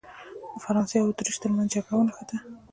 د فرانسې او اتریش ترمنځ جګړه ونښته.